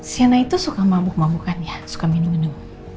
sianya itu suka mabuk mabukan ya suka minum minum